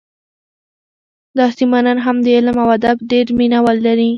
دا سیمه نن هم د علم او ادب ډېر مینه وال لري